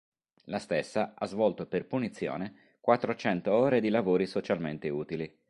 La stessa ha svolto per punizione quattrocento ore di lavori socialmente utili.